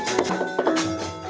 belas apa ya